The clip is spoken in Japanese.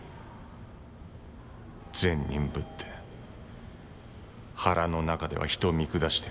善人ぶって腹の中では人を見下してる。